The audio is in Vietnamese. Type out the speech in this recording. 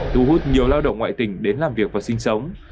thu hút nhiều lao động ngoại tỉnh đến làm việc và sinh sống